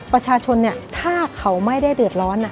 ประชาชนถ้าเขาไม่ได้เดือดร้อน